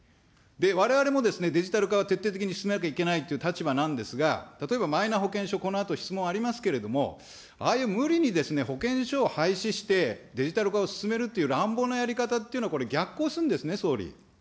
われわれもデジタル化は徹底的に進めなきゃいけないという立場なんですが、例えば、マイナ保険証、このあと質問ありますけれども、ああいう無理に保険証を廃止して、デジタル化を進めるという乱暴なやり方っていうのは、これ逆行するんですね、総理。